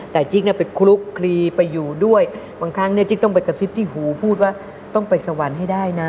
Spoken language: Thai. แต่จิ๊กเนี่ยไปคลุกคลีไปอยู่ด้วยบางครั้งเนี่ยจิ๊กต้องไปกระซิบที่หูพูดว่าต้องไปสวรรค์ให้ได้นะ